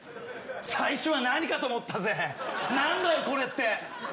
最初は何かと思ったぜ何だよこれって。